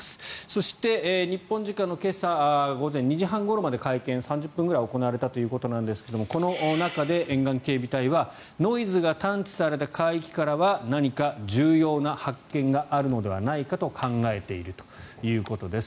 そして、日本時間の今朝午前２時半ごろまで会見、３０分ぐらい行われたということですがこの中で、沿岸警備隊はノイズが探知された海域からは何か重要な発見があるのではないかと考えているということです。